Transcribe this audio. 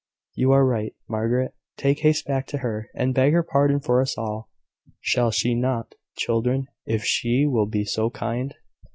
You are right, Margaret. Make haste back to her, and beg her pardon for us all. Shall she not, children, if she will be so kind?"